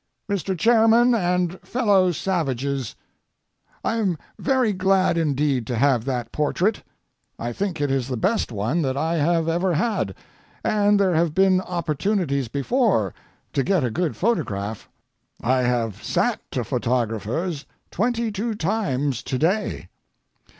MR. CHAIRMAN AND FELLOW SAVAGES,—I am very glad indeed to have that portrait. I think it is the best one that I have ever had, and there have been opportunities before to get a good photograph. I have sat to photographers twenty two times to day.